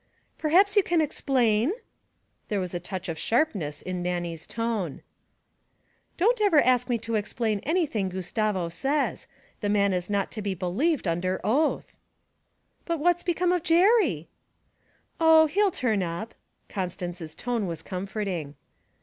'Perhaps you can explain?' There was a touch of sharpness in Nannie's tone. 'Don't ever ask me to explain anything Gustavo says; the man is not to be believed under oath.' 'But what's become of Jerry?' 'Oh, he'll turn up.' Constance's tone was comforting.